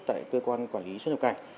tại cơ quan quản lý xuất nhập cảnh